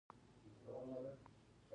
خو هغه څوک چې د پلور لپاره تولید کوي